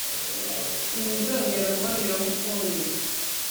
sinzongera kubanyuraho ukundi